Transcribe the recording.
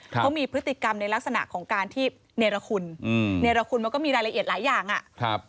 เขามีพฤติกรรมในลักษณะของการที่เนรคุณอืมเนรคุณมันก็มีรายละเอียดหลายอย่างอ่ะครับ